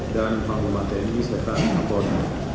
dan panggung manteni sekat apon